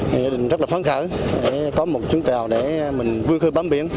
những gia đình rất là phán khởi có một chiếc tàu để mình vươn khơi bám biển